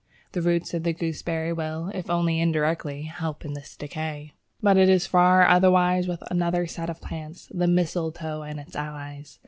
The roots of the gooseberry will, if only indirectly, help in this decay. But it is far otherwise with another set of plants the Mistletoe and its allies.